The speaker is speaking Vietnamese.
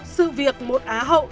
sự việc một á hậu